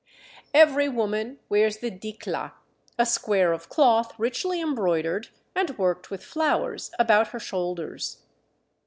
Every woman wears the dicclla, a square of cloth richly embroidered and worked with flowers, about her shoulders.